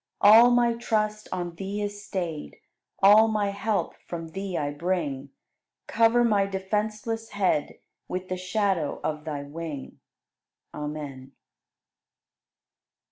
All my trust on Thee is stayed, All my help from Thee I bring; Cover my defenseless head With the shadow of Thy wing! Amen.